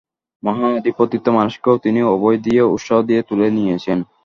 মহা-অধঃপতিত মানুষকেও তিনি অভয় দিয়ে, উৎসাহ দিয়ে তুলে নিয়েছেন।